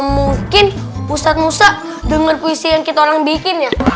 mungkin pusat musa dengar puisi yang kita orang bikin ya